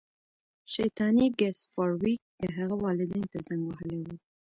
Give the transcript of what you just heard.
شیطاني ګس فارویک د هغه والدینو ته زنګ وهلی و